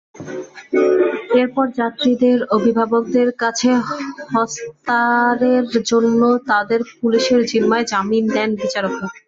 এরপর যাত্রীদের অভিভাবকদের কাছে হস্তারের জন্য তাঁদের পুলিশের জিম্মায় জামিন দেন বিচারকেরা।